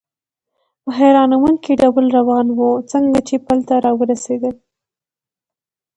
په حیرانوونکي ډول روان و، څنګه چې پل ته را ورسېدل.